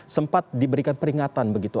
sempat diberikan peringatan begitu